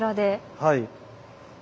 はい。